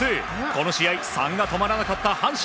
この試合、３が止まらなかった阪神。